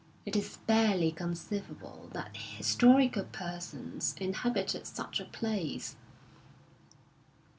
It is barely conceivable that his torical persons inhabited such a place.